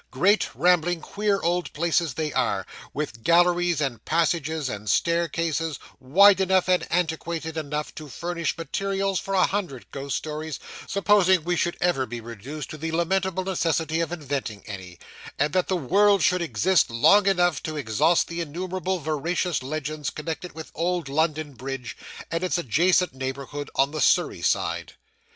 Great, rambling queer old places they are, with galleries, and passages, and staircases, wide enough and antiquated enough to furnish materials for a hundred ghost stories, supposing we should ever be reduced to the lamentable necessity of inventing any, and that the world should exist long enough to exhaust the innumerable veracious legends connected with old London Bridge, and its adjacent neighbourhood on the Surrey side.